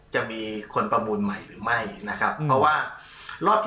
จะมีคนประมูลใหม่หรือไม่นะครับ